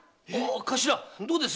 頭どうです？